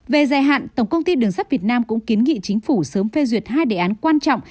về dài hạn tổng công ty đường sắt việt nam cũng kiến nghị chính phủ sớm phê duyệt hai đề án quan trọng